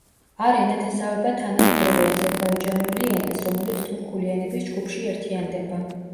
არ ენათესავება თანამედროვე აზერბაიჯანული ენას, რომელიც თურქული ენების ჯგუფში ერთიანდება.